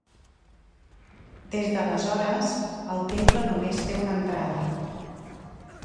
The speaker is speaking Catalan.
Des d’aleshores el temple només té una entrada.